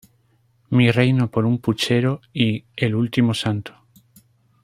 Mi reino por un puchero" y "El último santo".